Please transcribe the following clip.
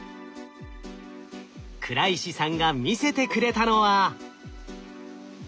倉石さんが見せてくれたのは。